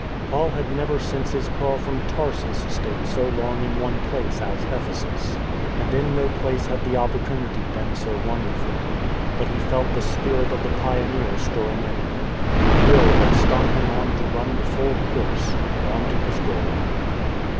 Paul had never since his call from Tarsus stayed so long in one place as Ephesus. And in no place had the op portunity been so wonderful. But he felt the spirit of the pioneer stirring in him, the thrill that stung him on to run the full course, on to his goal.